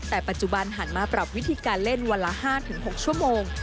แต่ปัจจุบันหันมาปรับวิธีการเล่นวันละ๕๖ชั่วโมง